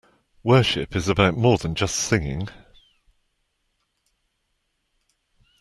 Worship is about more than just singing.